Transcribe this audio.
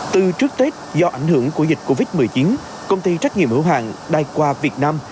từ trước tết do ảnh hưởng của dịch covid một mươi chín công ty trách nhiệm hữu hàng đại qua việt nam